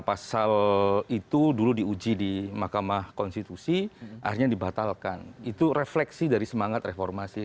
pasal itu dulu diuji di mahkamah konstitusi akhirnya dibatalkan itu refleksi dari semangat reformasi